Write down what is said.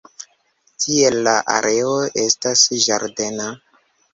Tiel la areo estas ĝardena.